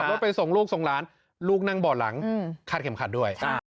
รถไปส่งลูกส่งหลานลูกนั่งบ่อหลังคาดเข็มขัดด้วย